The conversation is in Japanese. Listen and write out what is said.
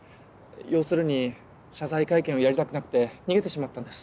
要するに謝罪会見をやりたくなくて逃げてしまったんです。